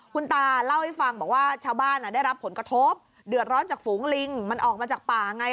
คุณตาเล่าให้ฟังบอกว่าชาวบ้านได้รับผลกระทบเดือดร้อนจากฝูงลิงมันออกมาจากป่าไง